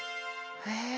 へえ。